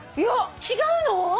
違うの！？